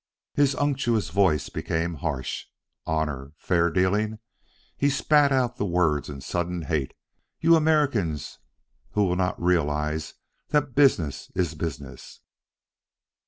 His unctuous voice became harsh. "Honor! Fair dealing!" He spat out the words in sudden hate. "You Americans who will not realize that business is business!"